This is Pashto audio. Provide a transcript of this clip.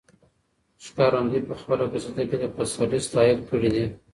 ښکارندوی په خپله قصیده کې د پسرلي ستایل کړي دي.